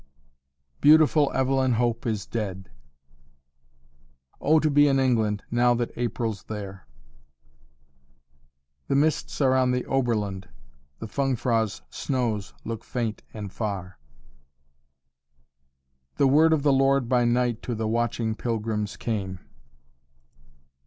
"Beautiful Evelyn Hope is dead." "O to be in England, now that April's there." "The mists are on the Oberland, The Fungfrau's snows look faint and far." "The word of the Lord by night To the watching pilgrims came."